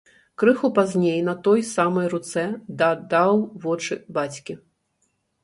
Крыху пазней на той самай руцэ дадаў вочы бацькі.